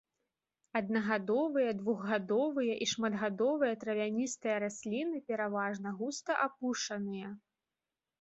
Аднагадовыя, двухгадовыя і шматгадовыя травяністыя расліны, пераважна густа апушаныя.